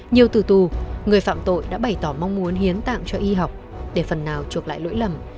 nhiều từ tù người phạm tội đã bày tỏ mong muốn hiến tạng cho y học để phần nào chuộc lại lỗi lầm